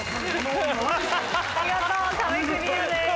見事壁クリアです。